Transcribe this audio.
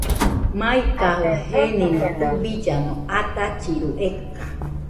Maikajɨ genino tubillano atachiru eka.